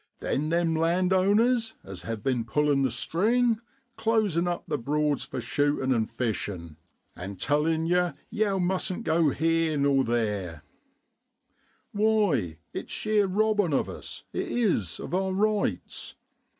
Then them landowners as hev'been pullin' the string, closin' up the Broads for shootin' an' fishin', and tellin' yer yow mustn't go heer nor theer. Why, it's sheer robbin',of us, it is, of our rights.